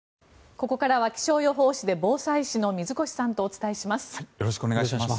ここからは気象予報士で防災士の水越さんとお伝えします。